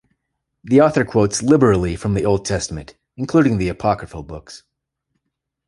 The author quotes liberally from the Old Testament, including the apocryphal books.